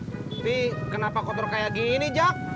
tapi kenapa kotor kayak gini jak